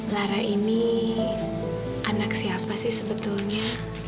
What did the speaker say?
lara ini anak siapa sih sebetulnya